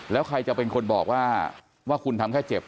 แล้วใครจะเป็นคนบอกว่าว่าคุณทำแค่เจ็บ